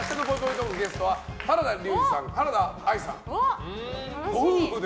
トークゲストは原田龍二さん、原田愛さん。